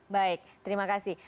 baik terima kasih